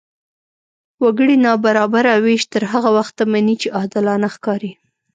وګړي نابرابره وېش تر هغه وخته مني، چې عادلانه ښکاري.